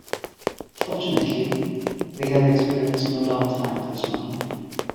Fortunately, we have experienced no downtime this month.